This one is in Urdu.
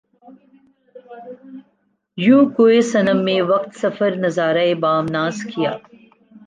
یوں کوئے صنم میں وقت سفر نظارۂ بام ناز کیا